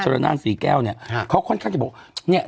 โชรภุนาสีแก้วเนี่ยค่ะเขาค่อนข้างจะบอกเนี้ย